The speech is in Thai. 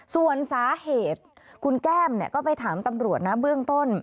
ส่วนสาเหตุคุณแก้มก็ไปถามตำรวจนะเบื้องต้น